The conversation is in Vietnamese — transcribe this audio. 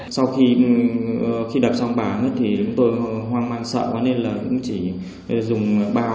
sau khi đập xong bà ấy thì tôi hoang mang sợ quá nên là cũng chỉ dùng bao